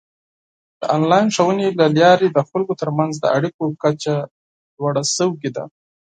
د آنلاین ښوونې له لارې د خلکو ترمنځ د اړیکو کچه لوړه شوې ده.